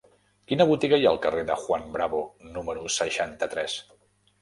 Quina botiga hi ha al carrer de Juan Bravo número seixanta-tres?